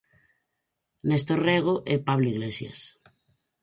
Néstor Rego e Pablo Iglesias.